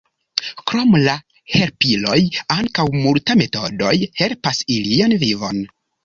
Krom la helpiloj ankaŭ multa metodoj helpas ilian vivon.